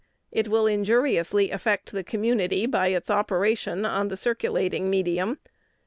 It will injuriously affect the community by its operation on the circulating medium.